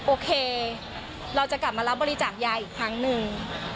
โอเคเราจะกลับมารับบริจาคยาอีกครั้งหนึ่ง